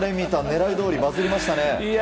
狙いどおりバズりましたね。